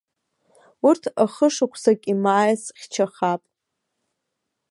Урҭ ахышықәсак имааиц хьчахап.